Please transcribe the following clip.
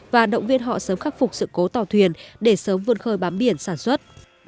và động viên họ sớm khắc phục sự cố tàu thuyền để sớm vươn khơi bám biển sản xuất